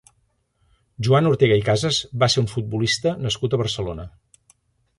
Joan Ortega i Casas va ser un futbolista nascut a Barcelona.